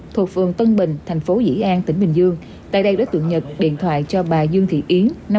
thuộc phường tân bình thành phố dĩ an tỉnh bình dương tại đây đối tượng nhật điện thoại cho bà dương thị yến